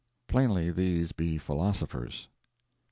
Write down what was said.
Plainly these be philosophers.